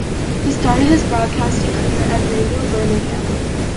He started his broadcasting career at Radio Birmingham.